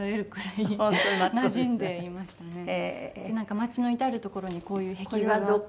街の至る所にこういう壁画が。